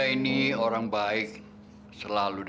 ini untuk kamu